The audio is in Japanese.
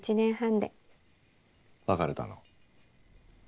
別れたの。